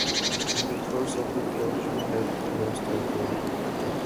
In the course of the collision, "Hawke" lost her bow.